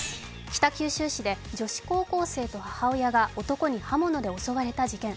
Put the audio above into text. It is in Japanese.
北九州市で女子高校生と母親が男に刃物で襲われた事件。